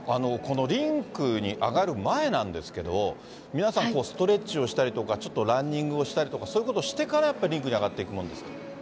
このリンクに上がる前なんですけれども、皆さん、ストレッチをしたりとか、ちょっとランニングをしたりとか、そういうことをしてから、やっぱりリンクに上がっていくもんですか？